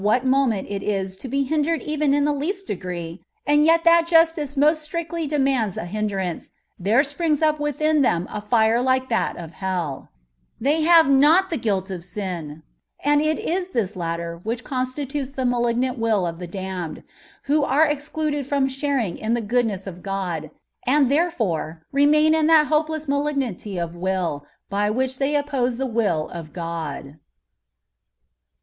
what moment ìt is to be Idndered even in the least degree, and yet that justìce most strictly demanda a hindrance, there springs up within them a fire lìke that of helL They have not the goilt of sin ; and ìt is this latterwhich constitutes the malignant willof the damned, who are excluded from sharing in the goodness of God, and therefore remain in that hopeless malignity of will by which they oppose the will of God.